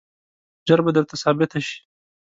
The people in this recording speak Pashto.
ژر به درته ثابته شي.